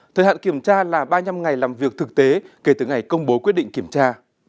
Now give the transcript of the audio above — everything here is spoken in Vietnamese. thời hạn kiểm tra là ba mươi năm ngày làm việc thực tế kể từ ngày công bố quyết định kiểm tra